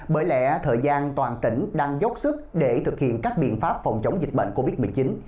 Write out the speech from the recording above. bởi lẽ thời gian toàn tỉnh đang dốc sức để thực hiện các biện pháp phòng chống dịch bệnh covid một mươi chín